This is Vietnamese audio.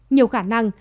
nhiều khả năng